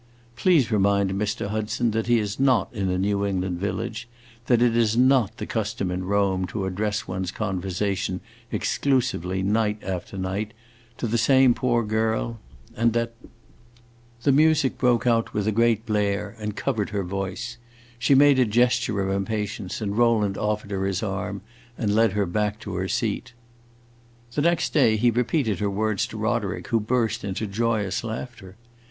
Please remind Mr. Hudson that he is not in a New England village that it is not the custom in Rome to address one's conversation exclusively, night after night, to the same poor girl, and that".... The music broke out with a great blare and covered her voice. She made a gesture of impatience, and Rowland offered her his arm and led her back to her seat. The next day he repeated her words to Roderick, who burst into joyous laughter.